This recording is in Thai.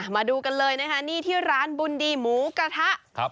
มาดูกันเลยนะคะนี่ที่ร้านบุญดีหมูกระทะ